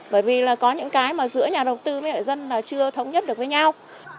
bởi vì là có những cái mà giữa nhà đầu tư với lại dân là chưa thống nhất được với nhau